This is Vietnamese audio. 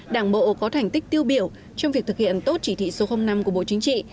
đảng bộ có thành tích tiêu biểu trong việc thực hiện tốt chỉ thị số năm của bộ chính trị